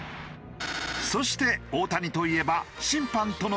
そして大谷といえば審判との関係も。